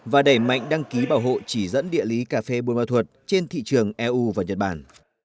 và đẩy mạnh đăng ký bảo hộ chỉ dẫn địa lý cà phê buôn ma thuật trên thị trường eu và nhật bản